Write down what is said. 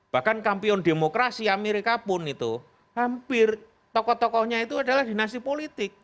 bahkan kampion demokrasi amerika pun itu hampir tokoh tokohnya itu adalah dinasti politik